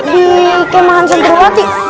di kemahan santra watik